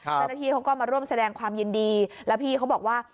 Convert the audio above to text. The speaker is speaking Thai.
เจ้าหน้าที่เขาก็มาร่วมแสดงความยินดีแล้วพี่เขาบอกว่า